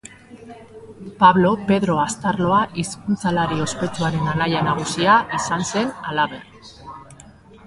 Pablo Pedro Astarloa hizkuntzalari ospetsuaren anaia nagusia izan zen halaber.